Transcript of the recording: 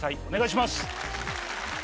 お願いします。